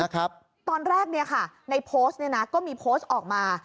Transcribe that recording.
คือตอนแรกนี่ค่ะในโพสต์นี่นะก็มีโพสต์ออกมา